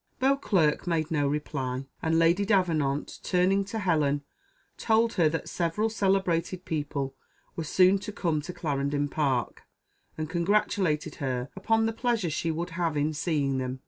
Beauclerc made no reply, and Lady Davenant, turning to Helen, told her that several celebrated people were soon to come to Clarendon Park, and congratulated her upon the pleasure she would have in seeing them.